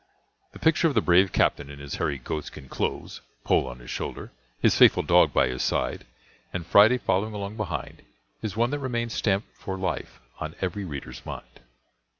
The picture of the brave captain in his hairy goatskin clothes, Poll on his shoulder, his faithful dog by his side, and Friday following along behind, is one that remains stamped for life on every reader's mind.